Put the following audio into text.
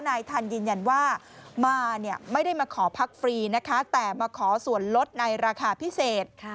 นายทันยืนยันว่ามาเนี่ยไม่ได้มาขอพักฟรีนะคะแต่มาขอส่วนลดในราคาพิเศษ